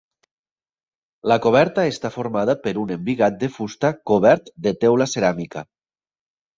La coberta està formada per un embigat de fusta cobert de teula ceràmica.